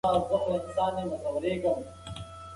احتکار مه کوئ.